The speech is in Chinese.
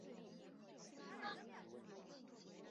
剖析过程中的各种状态即是由这些封闭集所构成。